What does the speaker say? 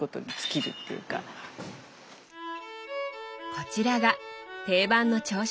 こちらが定番の朝食。